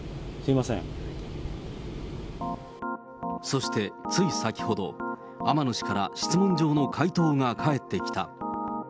そして、つい先ほど、天野氏から質問状の回答が返ってきた。